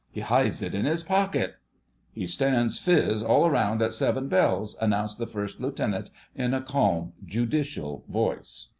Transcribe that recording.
He hides it in his pocket——" "He stands fizz all round at seven bells," announced the First Lieutenant in a calm, judicial voice.